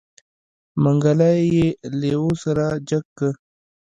منګلی يې لېوه سره جګ که.